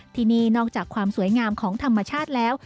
ที่นี่นอกจากความสวยงามของธรรมชาติแล้ว